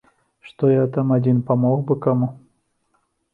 Што я там адзін памог бы каму?